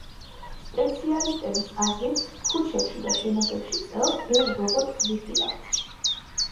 სპეციალისტების აზრით, ქუჩებში და შენობებში წელს ბევრ რობოტს ვიხილავთ.